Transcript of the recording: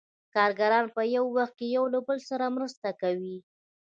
کارګران په یو وخت کې یو له بل سره مرسته کوي